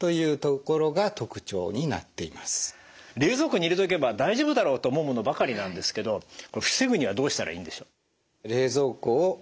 冷蔵庫に入れとけば大丈夫だろうって思うものばかりなんですけど防ぐにはどうしたらいいんでしょう？